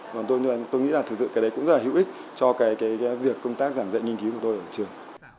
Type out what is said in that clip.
còn tôi nghĩ là thực sự cái đấy cũng rất là hữu ích cho cái việc công tác giảng dạy nghiên cứu của tôi ở trường